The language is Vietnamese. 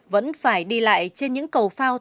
vẫn phải đi lại trên những cầu phao